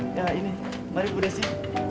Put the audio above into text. ya ini mari bu desi